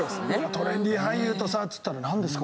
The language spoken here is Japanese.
「トレンディ俳優とさ」っつったら「なんですか？